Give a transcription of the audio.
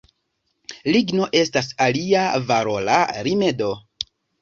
Ligno estas alia valora rimedo.